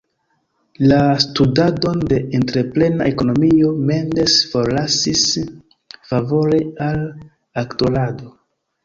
La studadon de entreprena ekonomio, Mendes forlasis favore al aktorado.